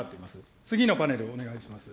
次のパネルをお願いします。